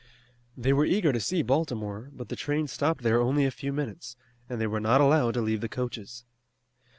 They were eager to see Baltimore, but the train stopped there only a few minutes, and they were not allowed to leave the coaches.